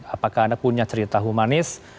apakah anda punya cerita humanis